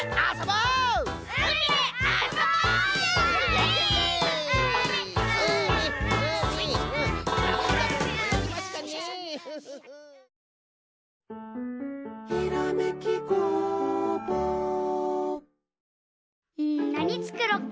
うんなにつくろっかな。